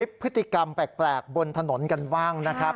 พฤติกรรมแปลกบนถนนกันบ้างนะครับ